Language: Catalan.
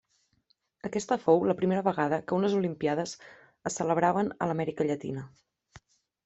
Aquesta fou la primera vegada que unes olimpíades se celebraren a l'Amèrica Llatina.